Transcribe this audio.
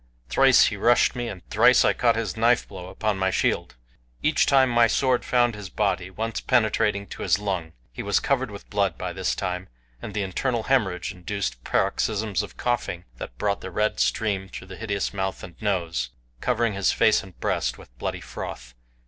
Thrice he rushed me, and thrice I caught his knife blow upon my shield. Each time my sword found his body once penetrating to his lung. He was covered with blood by this time, and the internal hemorrhage induced paroxysms of coughing that brought the red stream through the hideous mouth and nose, covering his face and breast with bloody froth.